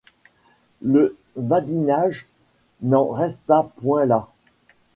Le badinage n'en resta point là.